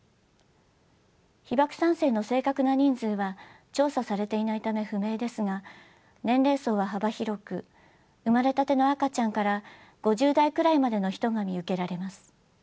被爆三世の正確な人数は調査されていないため不明ですが年齢層は幅広く生まれたての赤ちゃんから５０代くらいまでの人が見受けられます。